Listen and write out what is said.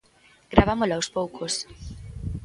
Gravámolo aos poucos.